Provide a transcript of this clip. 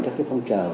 các cái phong trào